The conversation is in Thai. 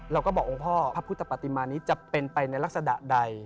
เราก็บอกองค์พ่อพระพุทธปฏิมานี้จะเป็นไปในลักษณะใด